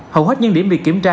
hầu hết những điểm việc kiểm tra